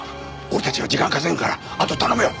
俺たちが時間稼ぐからあと頼むよ。